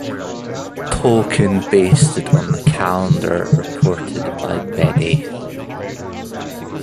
Tolkien based it on the calendar reported by Bede.